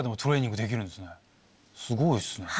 すごいっすね。